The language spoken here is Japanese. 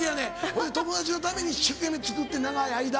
ほいで友達のために一生懸命作って『長い間』。